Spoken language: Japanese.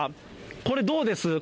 これどうです？